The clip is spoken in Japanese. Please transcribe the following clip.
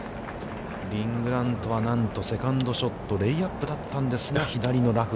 リン・グラントをセカンドショット、レイアップだったんですが、左のラフ。